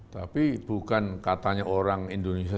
tapi bukan katanya orang indonesia